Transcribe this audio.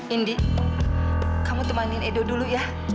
indi kamu temanin edo dulu ya